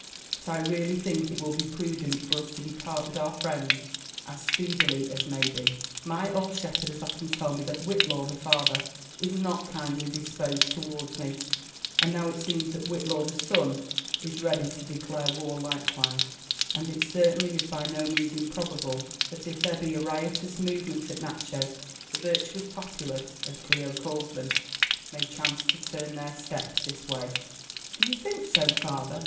But I really think it will be but prudent for us to depart with our friends as speedily as may be. My old shep herd has often told me that Whitlaw the father is not kindly disposed towards me ; and now it seems that Whitlaw the son is ready to de clare war likewise : and it certainly is by no means improbable that if there be a riotous movement at Natchez, the virtuous populace, as Clio calls (hem, may chance to turn their steps this way." '* Do you really think so, father